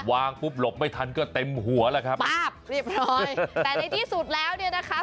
วางปุ๊บหลบไม่ทันก็เต็มหัวแล้วครับป้าบเรียบร้อยแต่ในที่สุดแล้วเนี่ยนะคะ